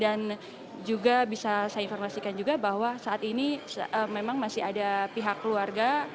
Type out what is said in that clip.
dan dia dan juga daniar bisa saya informasikan juga bahwa sampai saat ini memang wartawan belum bisa diperbolehkan